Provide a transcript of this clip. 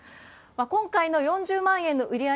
今回の４０万円の売上